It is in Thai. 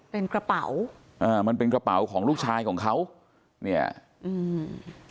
เป็นกระเป๋าอ่ามันเป็นกระเป๋าของลูกชายของเขาเนี่ยอืม